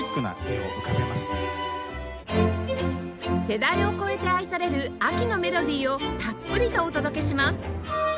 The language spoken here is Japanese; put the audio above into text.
世代を超えて愛される秋のメロディーをたっぷりとお届けします